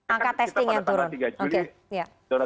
angka testingnya turun